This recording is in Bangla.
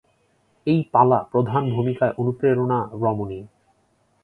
এই পালা প্রধান ভূমিকায় অনুপ্রেরণা রমণী।